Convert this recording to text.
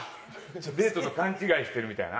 デートと勘違いしてるみたいやな。